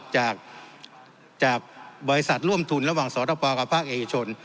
จากบริษัทร่วมทุนระหว่างสตปกับภาคเอกชน